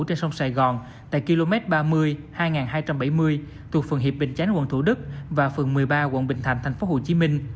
trên sông sài gòn tại km ba mươi hai nghìn hai trăm bảy mươi thuộc phường hiệp bình chánh quận thủ đức và phường một mươi ba quận bình thạnh tp hcm